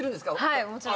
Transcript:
はいもちろん。